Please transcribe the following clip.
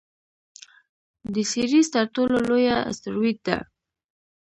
د سیریز تر ټولو لویه اسټرويډ ده.